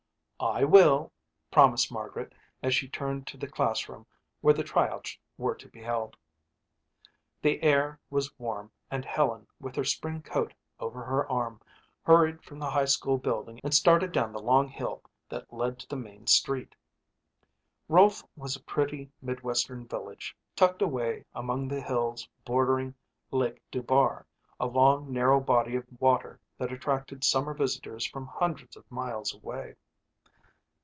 "I will," promised Margaret as she turned to the classroom where the tryouts were to be held. The air was warm and Helen, with her spring coat over her arm, hurried from the high school building and started down the long hill that led to the main street. Rolfe was a pretty midwestern village tucked away among the hills bordering Lake Dubar, a long, narrow body of water that attracted summer visitors from hundreds of miles away.